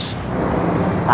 kasih jawaban kamu